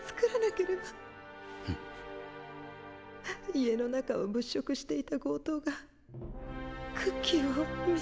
家の中を物色していた強盗がクッキーを見つけて。